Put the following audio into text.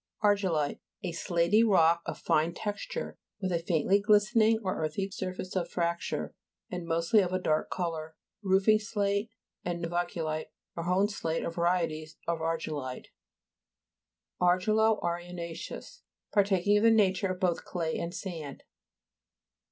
AR'GILLITE A slaty rock of fine tex ture, with a faintly glistening, or earthy surface of fracture, and mostly of a dark colour. Roofing slate, and nova'culite or hone slate are varieties of argillite. ARGILO ARENA'CEOUS Partaking of the nature of both clay and sand.